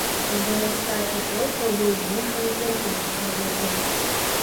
З-за нястачы сродкаў быў змушаны перапыніць навуку.